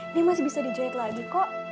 ini masih bisa dijahit lagi kok